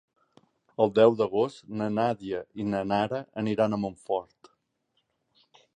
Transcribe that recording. El deu d'agost na Nàdia i na Nara aniran a Montfort.